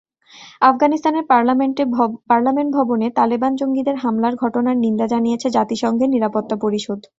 আফগানিস্তানের পার্লামেন্ট ভবনে তালেবান জঙ্গিদের হামলার ঘটনার নিন্দা জানিয়েছে জাতিসংঘের নিরাপত্তা পরিষদ।